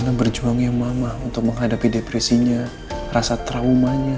hai mamah berjuangnya mama untuk menghadapi depresinya rasa trauma nya